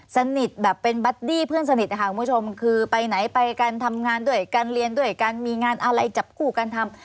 สนิทแบบเป็นบัดดี้เพื่อนสนิทนะคะคุณผู้ชมคือไปไหนไปกันทำงานด้วยกันเรียนด้วยกันมีงานอะไรจับคู่กันทำ